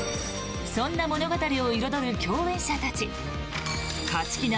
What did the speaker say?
そんな物語を彩る共演者たち勝ち気な